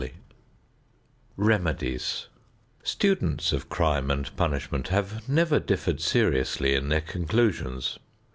XXXVI REMEDIES Students of crime and punishment have never differed seriously in their conclusions.